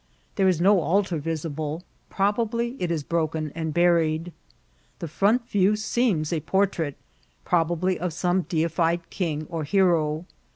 There is no idtar visible ; probably it is broken and bnried. The front view seems a portrait, probably of a<nne deified king or hero.